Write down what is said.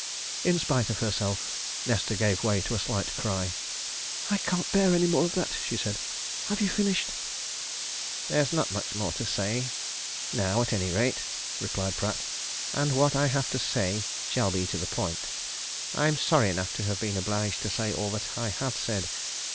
In spite of herself Nesta gave way to a slight cry. "I can't bear any more of that!" she said. "Have you finished?" "There's not much more to say now at any rate," replied Pratt. "And what I have to say shall be to the point. I'm sorry enough to have been obliged to say all that I have said.